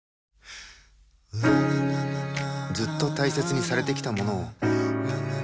ずっと大切にされてきたものを